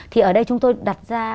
thì ở đây chúng tôi đặt ra